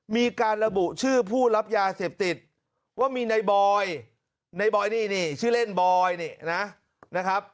มีการระบุชื่อผู้รับยาเสพติดว่ามีนายบอยชื่อเล่นบอยนะครับ